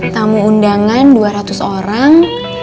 tamu undangan dua ratus orang